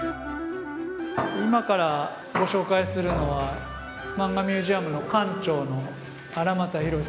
今からご紹介するのはマンガミュージアムの館長の荒俣宏さんなんですけども。